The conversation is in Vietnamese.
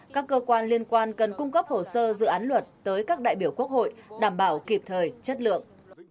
các cơ quan liên quan cần cung cấp hồ sơ dự án luật tới các đại biểu quốc hội đảm bảo kịp thời chất lượng